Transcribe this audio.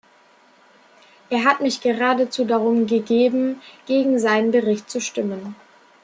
Er hat mich geradezu darum gegeben, gegen seinen Bericht zu stimmen.